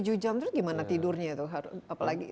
oh tujuh jam terus gimana tidurnya itu apa lagi